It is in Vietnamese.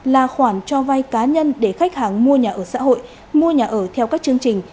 là khoản cho vay cá nhân để khách hàng mua nhà ở xã hội mua nhà ở theo các chương trình